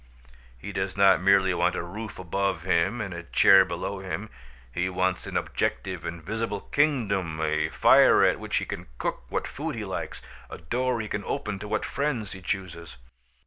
He does not merely want a roof above him and a chair below him; he wants an objective and visible kingdom; a fire at which he can cook what food he likes, a door he can open to what friends he chooses.